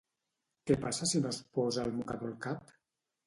Què passa si no es posa el mocador al cap?